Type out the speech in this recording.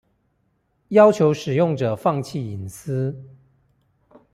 要求使用者放棄隱私